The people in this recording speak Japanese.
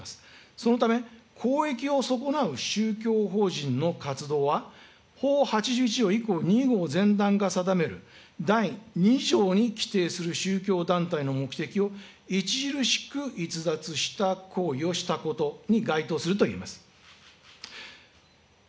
そのため公益を損なう宗教法人の活動は、法８１条１項２号前段が定める、第二条に規定する宗教団体の目的を著しく逸脱した行為をしたことに該当するといえます。